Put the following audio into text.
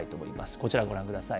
こちらをご覧ください。